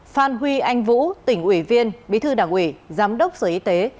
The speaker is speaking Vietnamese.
phan huy anh vũ tỉnh uỷ viên bí thư đảng uỷ giám đốc sở y tế